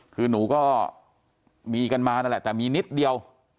คือหนูก็มีกันมานั่นแหละแต่มีนิดเดียว